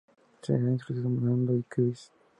Se ha introducido ñandú y cuis.